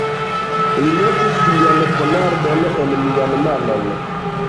Li metis sian ponardon en mian manon.